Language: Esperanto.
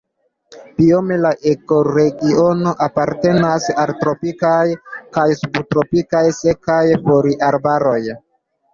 Biome la ekoregiono apartenas al tropikaj kaj subtropikaj sekaj foliarbaroj.